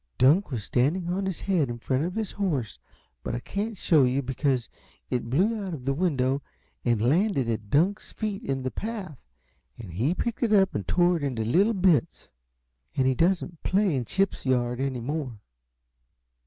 Dunk was standing on his head in front of his horse, but I can't show you it, because it blew out of the window and landed at Dunk's feet in the path, and he picked it up and tore it into little bits. And he doesn't play in Chip's yard any more."